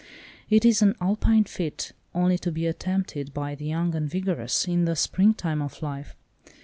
It is an Alpine feat, only to be attempted by the young and vigorous, in the springtime of life.